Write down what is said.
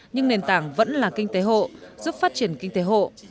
nhưng nền tảng vẫn là kinh tế hộ giúp phát triển kinh tế hộ